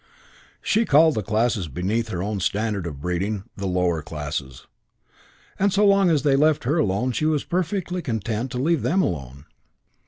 She called the classes beneath her own standard of breeding "the lower classes", and so long as they left her alone she was perfectly content to leave them alone.